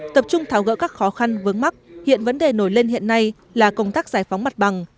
tập trung tháo gỡ các khó khăn vướng mắt hiện vấn đề nổi lên hiện nay là công tác giải phóng mặt bằng